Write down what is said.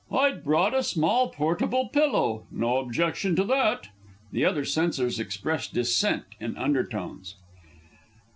"I'd brought a small portable pillow." No objection to that! [_The other Censors express dissent in undertones.